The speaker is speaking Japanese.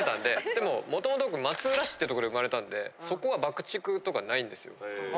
でももともと僕松浦市ってとこで生まれたんでそこは爆竹とかないんですよ。